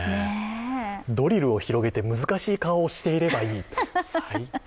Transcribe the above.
ドリルを広げて難しい顔をしていればいい最高！